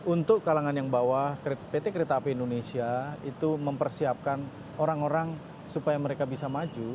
untuk kalangan yang bawah pt kereta api indonesia itu mempersiapkan orang orang supaya mereka bisa maju